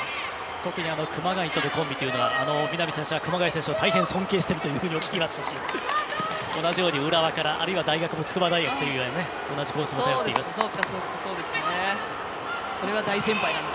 特に熊谷とのコンビというのは南選手は熊谷選手を大変、尊敬していると聞きましたし同じように浦和からあるいは大学の筑波大学の同じコースで。